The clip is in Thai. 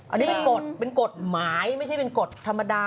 อันนี้เป็นกฎเป็นกฎหมายไม่ใช่เป็นกฎธรรมดา